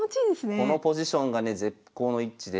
このポジションがね絶好の位置で。